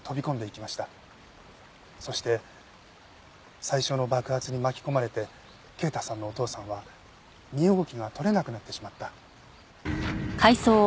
そして最初の爆発に巻き込まれて慶太さんのお父さんは身動きが取れなくなってしまった。